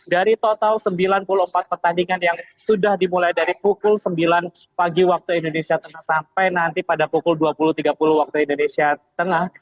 dari total sembilan puluh empat pertandingan yang sudah dimulai dari pukul sembilan pagi waktu indonesia tengah sampai nanti pada pukul dua puluh tiga puluh waktu indonesia tengah